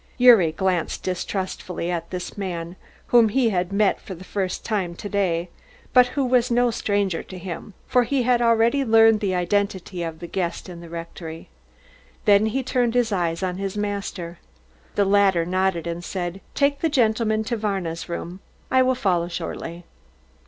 Gyuri glanced distrustfully at this man whom he had met for the first time to day, but who was no stranger to him for he had already learned the identity of the guest in the rectory. Then he turned his eyes on his master. The latter nodded and said: "Take the gentleman to Varna's room. I will follow shortly."